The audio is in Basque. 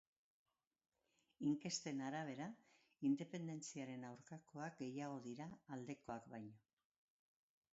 Inkesten arabera, independentziaren aurkakoak gehiago dira, aldekoak baino.